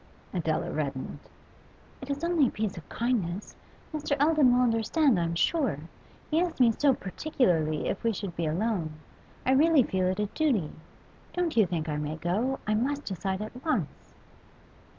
Adela reddened. 'It is only a piece of kindness. Mr. Eldon will understand, I'm sure. He asked me so particularly if we should be alone. I really feel it a duty. Don't you think I may go? I must decide at once.